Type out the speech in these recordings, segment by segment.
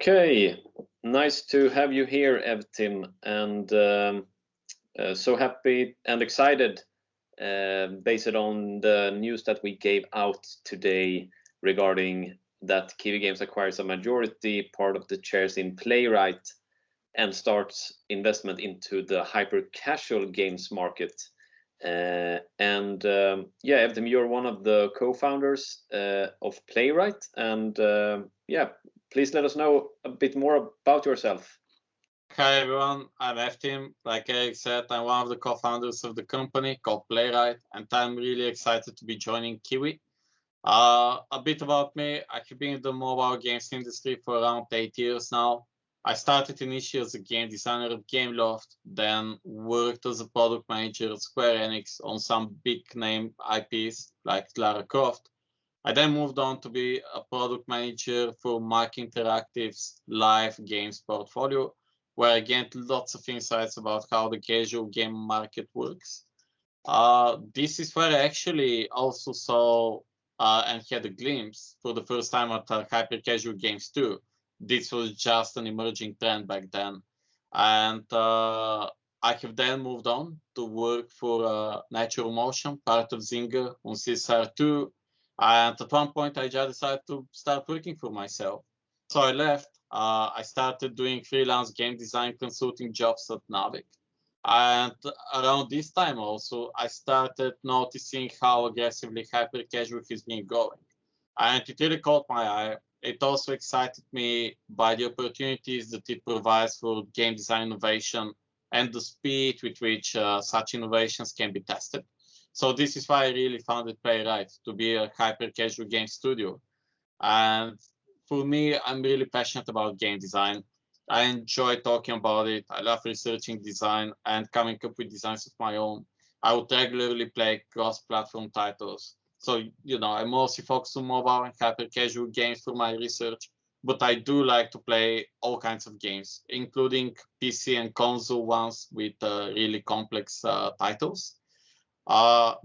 Okay. Nice to have you here, Evtim. So happy and excited based on the news that we gave out today regarding that Qiiwi Games acquires a majority part of the shares in Playright Games and starts investment into the hyper-casual games market. Yeah, Evtim, you're one of the co-founders of Playright Games, and please let us know a bit more about yourself. Hi, everyone. I'm Evtim. Like Erik said, I'm one of the co-founders of the company called Playright Games, and I'm really excited to be joining Qiiwi. A bit about me. I have been in the mobile games industry for around eight years now. I started initially as a game designer at Gameloft, then worked as a product manager at Square Enix on some big-name IPs like Lara Croft. I then moved on to be a product manager for Windward Mark Interactive's live games portfolio, where I gained lots of insights about how the casual game market works. This is where I actually also saw and had a glimpse for the first time at hyper-casual games, too. This was just an emerging trend back then. I have then moved on to work for NaturalMotion, part of Zynga, on CSR2, and at one point I just decided to start working for myself I left. I started doing freelance game design consulting jobs at Naavik. Around this time also, I started noticing how aggressively hyper-casual has been going, and it really caught my eye. It also excited me by the opportunities that it provides for game design innovation and the speed with which such innovations can be tested. This is why I really founded Playright Games to be a hyper-casual game studio. For me, I'm really passionate about game design. I enjoy talking about it. I love researching design and coming up with designs of my own. I would regularly play cross-platform titles. I mostly focus on mobile and hyper-casual games through my research, but I do like to play all kinds of games, including PC and console ones with really complex titles. I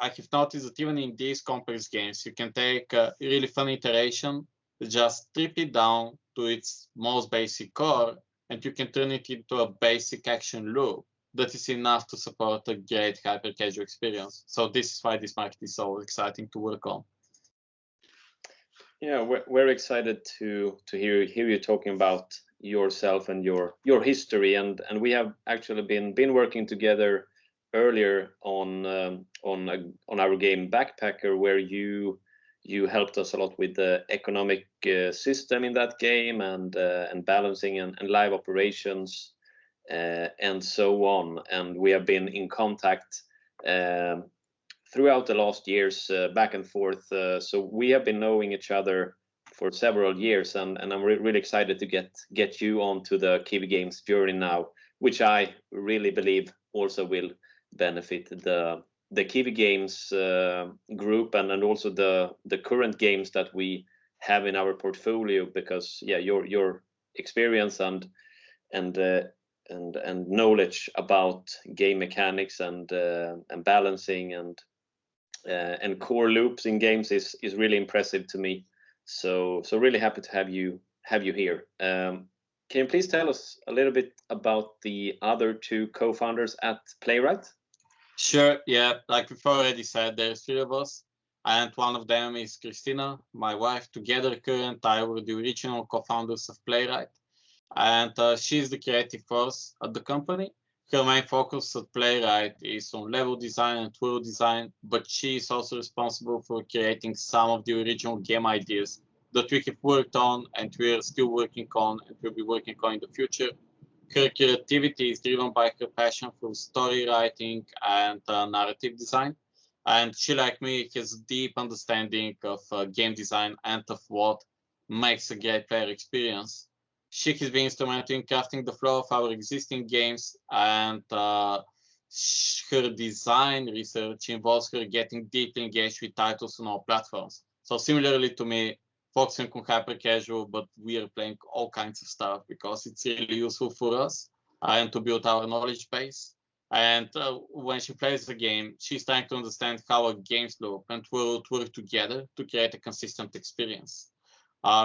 have noticed that even in these complex games, you can take a really fun iteration, just strip it down to its most basic core, and you can turn it into a basic action loop that is enough to support a great hyper-casual experience. This is why this market is so exciting to work on. Yeah, we're excited to hear you talking about yourself and your history. We have actually been working together earlier on our game, "Backpacker," where you helped us a lot with the economic system in that game and balancing and live operations and so on. We have been in contact throughout the last years back and forth. We have been knowing each other for several years. I'm really excited to get you onto the Qiiwi Games journey now, which I really believe also will benefit the Qiiwi Games group and the current games that we have in our portfolio because your experience and knowledge about game mechanics and balancing and core loops in games is really impressive to me. Really happy to have you here. Can you please tell us a little bit about the other two co-founders at Playright? Sure, yeah. Like we've already said, there are three of us, and one of them is Kristina, my wife. Together, her and I were the original co-founders of Playright Games, and she's the creative force at the company. Her main focus at Playright Games is on level design and tool design, but she's also responsible for creating some of the original game ideas that we have worked on, and we are still working on, and we'll be working on in the future. Her creativity is driven by her passion for story writing and narrative design, and she, like me, has a deep understanding of game design and of what makes a great player experience. She has been instrumental in crafting the flow of our existing games, and her design research involves her getting deeply engaged with titles on all platforms. Similarly to me, focusing on hyper-casual, but we are playing all kinds of stuff because it's really useful for us and to build our knowledge base. When she plays the game, she's trying to understand how games loop and tools work together to create a consistent experience.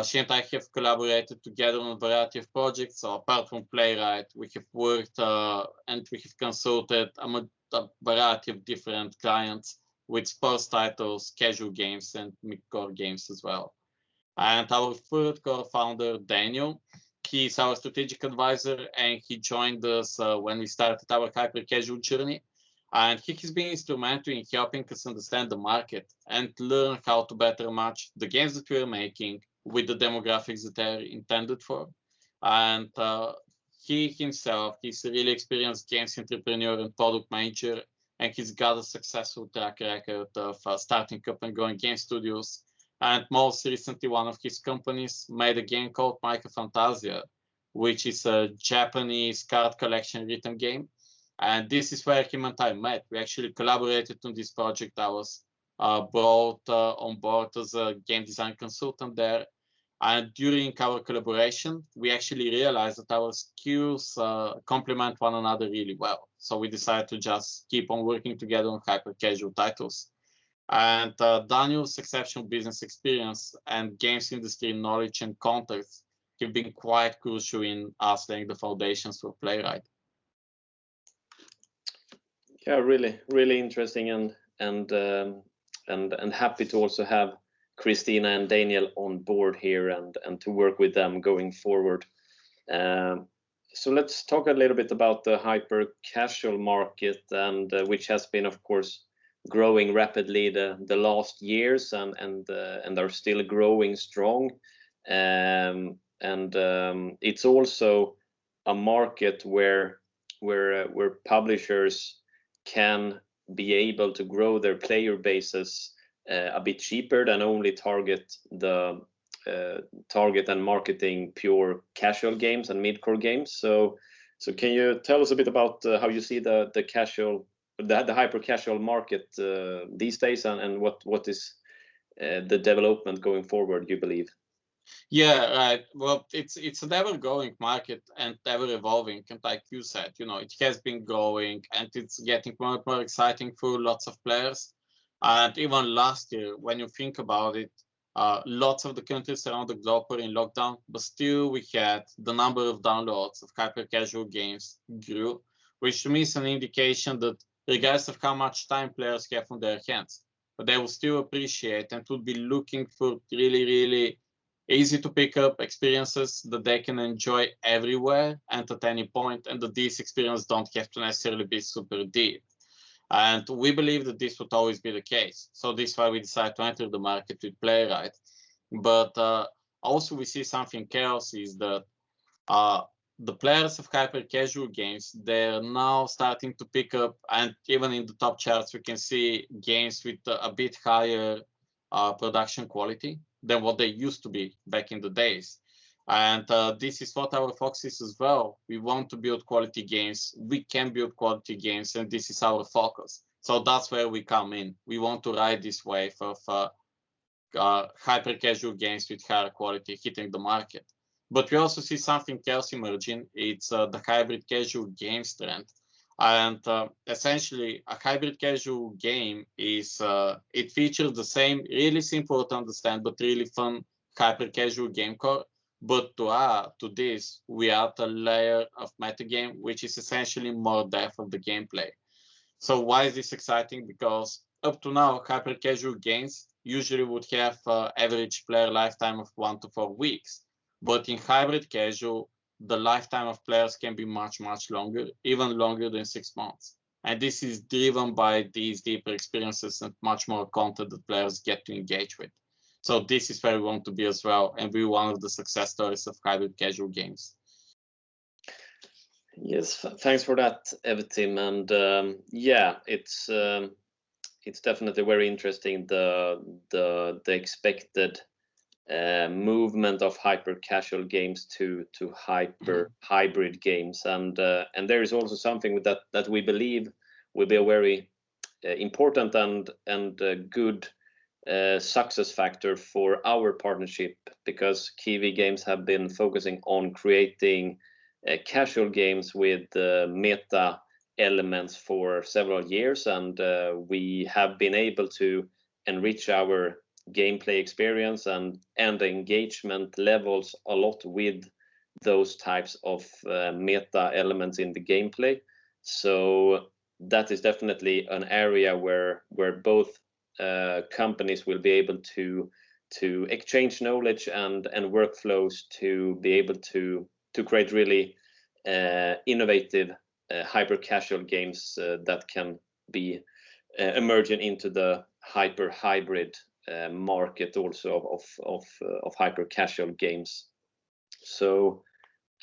She and I have collaborated together on a variety of projects. Apart from Playright, we have worked, and we have consulted a variety of different clients with sports titles, casual games, and mid-core games as well. Our third co-founder, Daniel, he's our strategic advisor, and he joined us when we started our hyper-casual journey. He has been instrumental in helping us understand the market and learn how to better match the games that we are making with the demographics that they are intended for. He himself is a really experienced games entrepreneur and product manager, and he's got a successful track record of starting up and growing game studios. Most recently, one of his companies made a game called "Maika Fantasia!" which is a Japanese card collection rhythm game, and this is where him and I met. We actually collaborated on this project. I was brought on board as a game design consultant there. During our collaboration, we actually realized that our skills complement one another really well. We decided to just keep on working together on hyper-casual titles. Daniel's exceptional business experience and games industry knowledge and contacts have been quite crucial in us laying the foundations for Playright. Yeah, really interesting and happy to also have Kristina and Daniel on board here and to work with them going forward. Let's talk a little bit about the hyper-casual market, which has been, of course, growing rapidly the last years and are still growing strong. It's also a market where publishers can be able to grow their player bases a bit cheaper than only target and marketing pure casual games and mid-core games. Can you tell us a bit about how you see the hyper-casual market these days, and what is the development going forward, you believe? Yeah. Right. Well, it's an ever-growing market and ever-evolving, like you said, it has been growing, and it's getting more and more exciting for lots of players. Even last year, when you think about it, lots of the countries around the globe were in lockdown, but still, we had the number of downloads of hyper-casual games grew, which to me is an indication that regardless of how much time players have on their hands, they will still appreciate and would be looking for really easy-to-pick-up experiences that they can enjoy everywhere and at any point, and that these experiences don't have to necessarily be super deep. We believe that this would always be the case. This is why we decided to enter the market with Playright Games. Also we see something else is that the players of hyper-casual games, they are now starting to pick up, and even in the top charts, we can see games with a bit higher production quality than what they used to be back in the days. This is what our focus is as well. We want to build quality games. We can build quality games, and this is our focus. That's where we come in. We want to ride this wave of hyper-casual games with higher quality hitting the market. We also see something else emerging. It's the hybrid-casual games trend. Essentially, a hybrid-casual game features the same really simple-to-understand but really fun hyper-casual game core. To add to this, we add a layer of metagame, which is essentially more depth of the gameplay. Why is this exciting? Up to now, hyper-casual games usually would have an average player lifetime of one to four weeks. In hybrid-casual, the lifetime of players can be much longer, even longer than 6 months. This is driven by these deeper experiences and much more content that players get to engage with. This is where we want to be as well, and we're one of the success stories of hybrid-casual games. Yes. Thanks for that, Evtim. Yeah, it's definitely very interesting, the expected movement of hyper-casual games to hyper-hybrid games. There is also something that we believe will be a very important and good success factor for our partnership because Qiiwi Games have been focusing on creating casual games with meta elements for several years. We have been able to enrich our gameplay experience and engagement levels a lot with those types of meta elements in the gameplay. That is definitely an area where both companies will be able to exchange knowledge and workflows to be able to create really innovative hyper-casual games that can be emerging into the hyper-hybrid market also of hyper-casual games.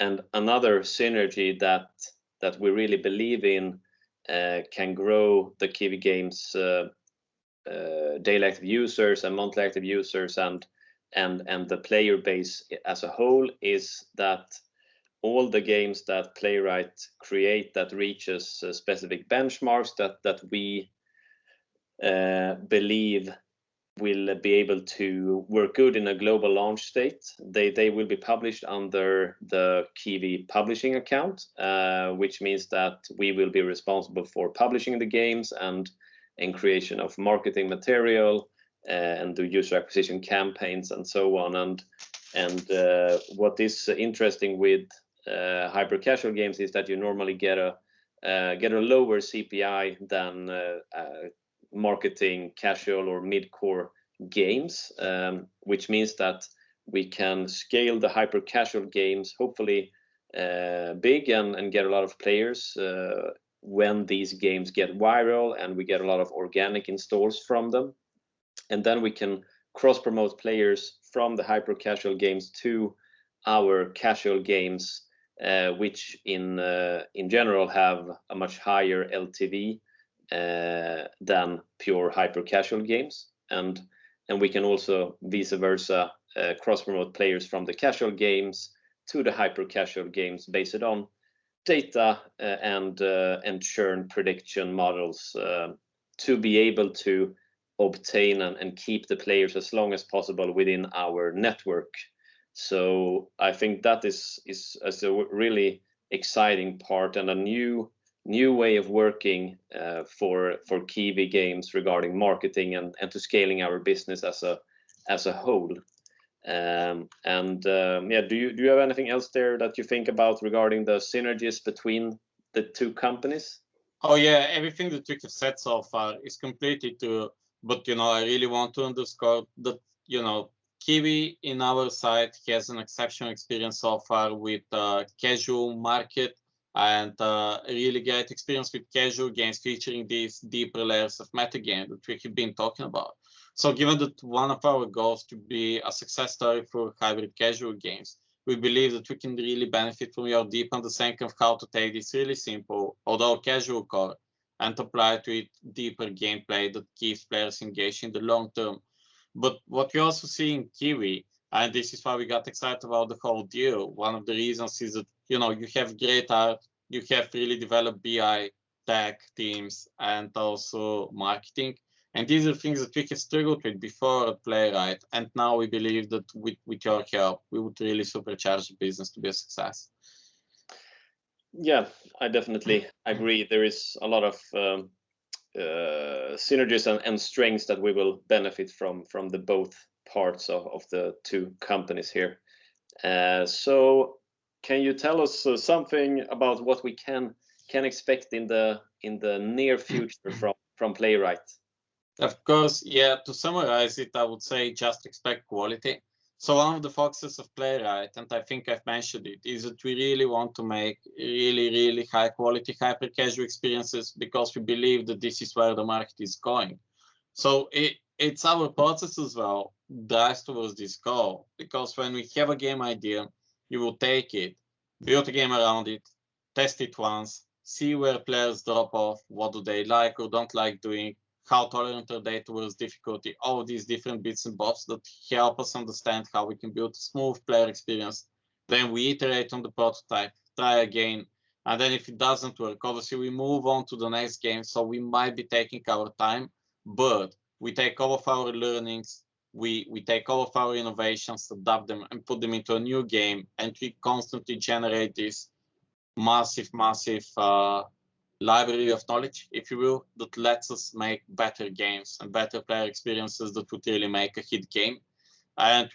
Another synergy that we really believe in can grow the Qiiwi Games' daily active users and monthly active users and the player base as a whole is that all the games that Playright create that reach specific benchmarks that we believe will be able to work good in a global launch state, they will be published under the Qiiwi publishing account, which means that we will be responsible for publishing the games and creation of marketing material and do user acquisition campaigns and so on. What is interesting with hyper-casual games is that you normally get a lower CPI than marketing casual or mid-core games, which means that we can scale the hyper-casual games, hopefully big, and get a lot of players when these games get viral, and we get a lot of organic installs from them. Then we can cross-promote players from the hyper-casual games to our casual games, which in general have a much higher LTV than pure hyper-casual games. We can also, vice versa, cross-promote players from the casual games to the hyper-casual games based on data and churn prediction models to be able to obtain and keep the players as long as possible within our network. I think that is a really exciting part and a new way of working for Qiiwi Games regarding marketing and to scaling our business as a whole. Yeah, do you have anything else there that you think about regarding the synergies between the two companies? Oh yeah, everything that you have said so far is complete, but I really want to underscore that Qiiwi, on our side, has an exceptional experience so far with the casual market and really great experience with casual games featuring these deeper layers of metagame, which we have been talking about. Given that one of our goals to be a success story for hybrid-casual games, we believe that we can really benefit from your deep understanding of how to take this really simple, although casual core, and apply to it deeper gameplay that keeps players engaged in the long term. What we also see in Qiiwi, and this is why we got excited about the whole deal, one of the reasons is that you have great art, you have really developed BI, tech teams, and also marketing. These are things that we have struggled with before at Playright, and now we believe that with your help, we would really supercharge the business to be a success. Yeah, I definitely agree. There is a lot of synergies and strengths that we will benefit from both parts of the two companies here. Can you tell us something about what we can expect in the near future from Playright Games? Of course, yeah. To summarize it, I would say just expect quality. One of the focuses of Playright Games, and I think I've mentioned it, is that we really want to make really, really high-quality hyper-casual experiences because we believe that this is where the market is going. It's our process as well that drives towards this goal because when we have a game idea, we will take it, build a game around it, test it once, see where players drop off, what do they like or don't like doing, how tolerant are they towards difficulty, all these different bits and bobs that help us understand how we can build a smooth player experience. We iterate on the prototype, try again, and then if it doesn't work, obviously, we move on to the next game. We might be taking our time, but we take all of our learnings. We take all of our innovations, adapt them, and put them into a new game, and we constantly generate this massive library of knowledge, if you will, that lets us make better games and better player experiences that would really make a hit game.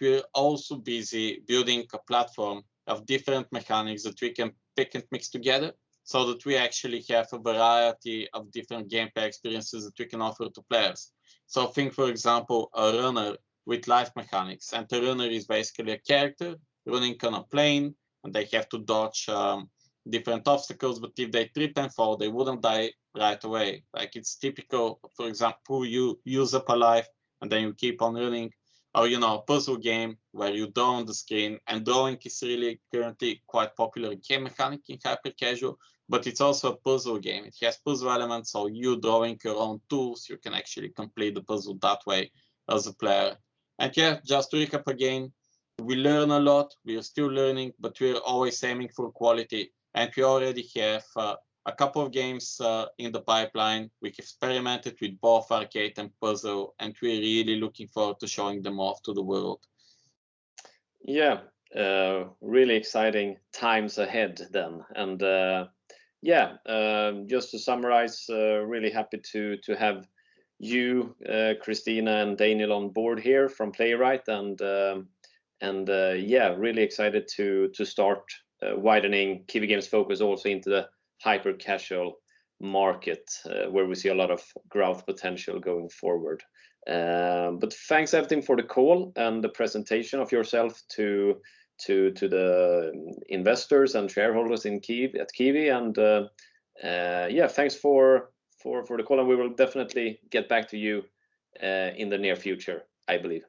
We're also busy building a platform of different mechanics that we can pick and mix together so that we actually have a variety of different gameplay experiences that we can offer to players. Think, for example, a runner with life mechanics, and the runner is basically a character running on a plane, and they have to dodge different obstacles, but if they trip and fall, they wouldn't die right away. It's typical. For example, you use up a life, then you keep on running, or a puzzle game where you draw on the screen, and drawing is really currently quite popular game mechanic in hyper-casual, but it's also a puzzle game. It has puzzle elements, so you draw your own tools, you can actually complete the puzzle that way as a player. Yeah, just to recap again, we learn a lot. We are still learning, but we are always aiming for quality, and we already have a couple of games in the pipeline. We've experimented with both arcade and puzzle, and we're really looking forward to showing them off to the world. Yeah. Really exciting times ahead then, just to summarize, really happy to have you, Kristina, and Daniel on board here from Playright Games, and really excited to start widening Qiiwi Games' focus also into the hyper-casual market, where we see a lot of growth potential going forward. Thanks, Evtim, for the call and the presentation of yourself to the investors and shareholders at Qiiwi, yeah, thanks for the call, we will definitely get back to you in the near future, I believe.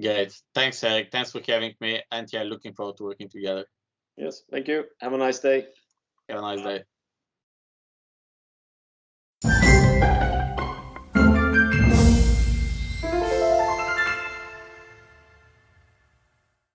Great. Thanks, Erik. Thanks for having me. Yeah, looking forward to working together. Yes, thank you. Have a nice day. Have a nice day.